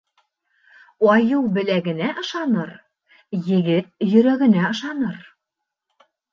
Айыу беләгенә ышаныр, егет йөрәгенә ышаныр.